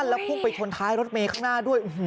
แล้วพุ่งไปชนท้ายรถเมย์ข้างหน้าด้วย